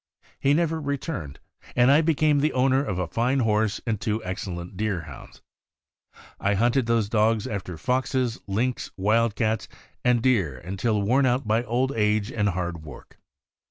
He never returned, and I became the owner of a line horse and two excellent Deerhounds. I hunted those dogs after foxes, lynx, wildcats, and deer until worn out by old age and hard work.